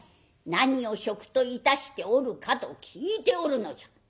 何を職といたしておるかと聞いておるのじゃ」。